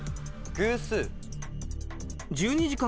偶数。